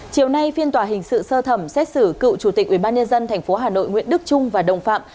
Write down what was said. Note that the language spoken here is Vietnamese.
chiều nay phiên tòa hình sự sơ thẩm xét xử cựu chủ tịch ubnd tp hà nội nguyễn đức trung và đồng phạm